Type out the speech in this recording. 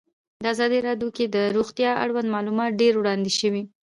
په ازادي راډیو کې د روغتیا اړوند معلومات ډېر وړاندې شوي.